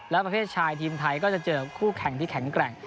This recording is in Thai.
แล้วประเภทชายทีมไทยก็จะเจอคู่แข่งที่แข็งแกร่ง